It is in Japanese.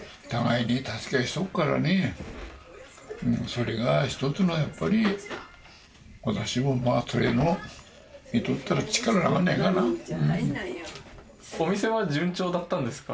それが一つのやっぱり私もまあそれの見とったらお店は順調だったんですか？